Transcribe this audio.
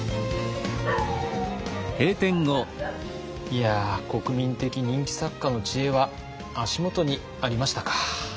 いや国民的人気作家の知恵は足元にありましたか。